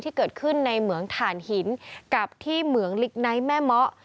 ที่เกิดขึ้นในเหมืองถ่านหินกับที่เหมืองลิกไนท์แม่เมาะ